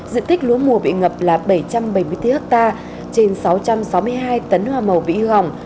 diện tích lúa mùa bị ngập là bảy trăm bảy mươi bốn ha trên sáu trăm sáu mươi hai tấn hoa màu bị hư hỏng